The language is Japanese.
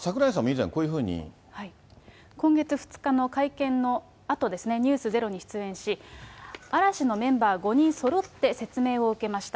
で、まあ、今月２日の会見のあとですね、ｎｅｗｓｚｅｒｏに出演し、嵐のメンバー５人そろって説明を受けました。